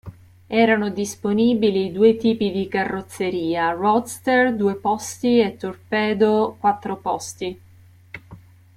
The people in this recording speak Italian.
Erano disponibili due tipi di carrozzeria, roadster due posti e torpedo quattro posti.